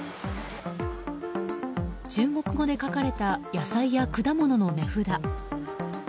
中国語で書かれた野菜や果物の値札。